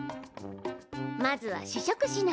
まずは試食しないと。